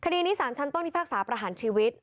คดีนี้สารชั้นต้นพิพากษาประหารชีวิต